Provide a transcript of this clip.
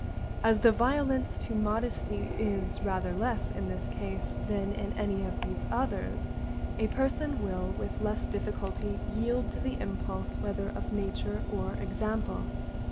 As the violence to modesty is rather less in this case than in any of these others, a person will with less difficulty yield to the impulse whether of nature or example.